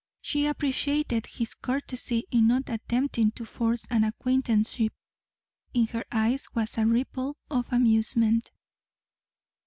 She appreciated his courtesy in not attempting to force an acquaintanceship. In her eyes was a ripple of amusement.